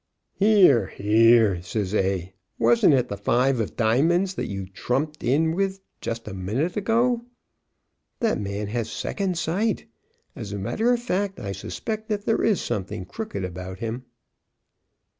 "Here, here!" says A, "wasn't it the 5 of diamonds that you trumped in with just a minute ago?" That man has second sight. As a matter of fact, I suspect that there is something crooked about him.